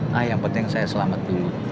nah yang penting saya selamat dulu